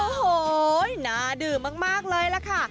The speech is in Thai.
โอ้โหน่าดื่มมากเลยล่ะค่ะ